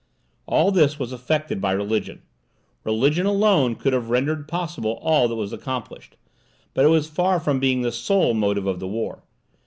All this was effected by religion. Religion alone could have rendered possible all that was accomplished, but it was far from being the SOLE motive of the war.